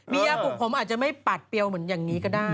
บุกผมอาจจะไม่ปัดเปรี้ยวเหมือนอย่างนี้ก็ได้